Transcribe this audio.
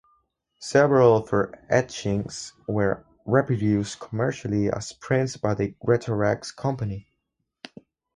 Several of her etchings were reproduced commercially as prints by the Greatorex company.